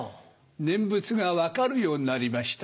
念仏が分かるようになりました。